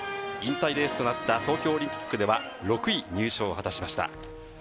引退レースとなった東京オリンピックでは６位入賞を果たしました。